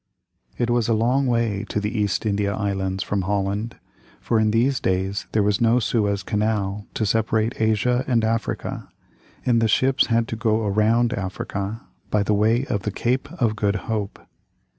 It was a long way to the East India Islands from Holland, for in these days there was no Suez Canal to separate Asia and Africa, and the ships had to go around Africa by way of the Cape of Good Hope.